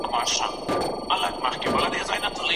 که له ملګرو سره اړیکې پرې کړئ نو یوازې به سئ.